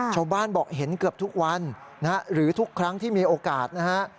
ชาวบ้านบอกเห็นเกือบทุกวันนะฮะหรือทุกครั้งที่มีโอกาสนะฮะ